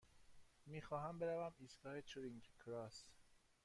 می خواهم بروم ایستگاه چرینگ کراس.